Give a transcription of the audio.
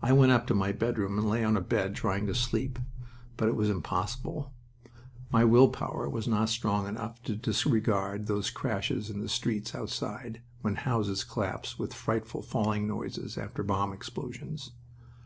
I went up to a bedroom and lay on a bed, trying to sleep. But it was impossible. My will power was not strong enough to disregard those crashes in the streets outside, when houses collapsed with frightful falling noises after bomb explosions.